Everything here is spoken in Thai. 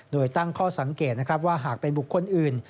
โดยตั้งข้อสังเกตนะครับว่าหากเป็นบุคคลอื่น